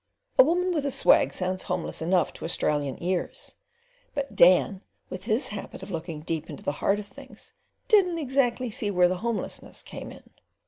A woman with a swag sounds homeless enough to Australian ears, but Dan, with his habit of looking deep into the heart of things, "didn't exactly see where the homelessness came in."